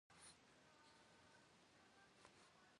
Psı 'Ufexer zığepsexup'e değueş.